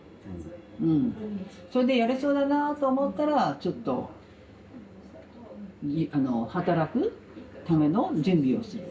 それでやれそうだなと思ったらちょっと働くための準備をする。